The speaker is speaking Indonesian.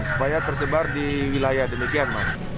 supaya tersebar di wilayah demikian mas